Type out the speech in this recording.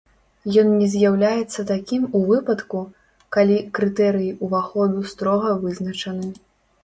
Ён не з'яўляецца такім у выпадку, калі крытэрыі ўваходу строга вызначаны.